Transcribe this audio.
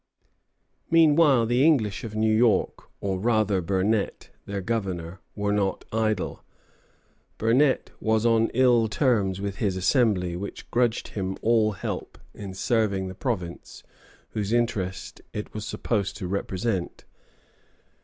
Meanwhile the English of New York, or rather Burnet, their governor, were not idle. Burnet was on ill terms with his Assembly, which grudged him all help in serving the province whose interests it was supposed to represent.